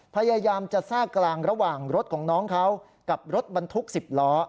พยายามจะแทรกกลางระหว่างรถของน้องเขากับรถบรรทุก๑๐ล้อ